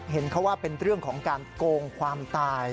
เห็นเขาว่าเป็นเรื่องของการโกงความตาย